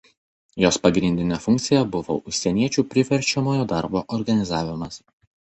Jos pagrindinė funkcija buvo užsieniečių priverčiamojo darbo organizavimas.